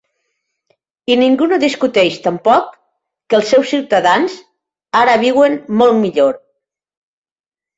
I ningú no discuteix tampoc que els seus ciutadans ara viuen molt millor.